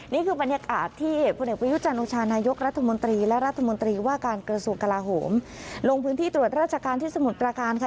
นี่คือบรรยากาศที่อีกและอีกหลวงพื้นที่ตรวจราชกรรที่สมุดประการค่ะ